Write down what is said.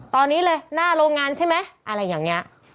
ตอนนี้เลยหน้าโรงงานใช่ไหมอะไรอย่างนี้